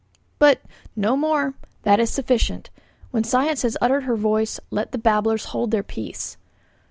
"But " 'No more; that is sufficient. When science has uttered her voice, let babblers hold their peace.'